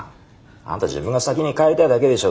あんた自分が先に帰りたいだけでしょ